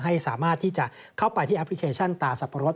ให้สามารถที่จะเข้าไปที่แอปพลิเคชันตาสับปะรด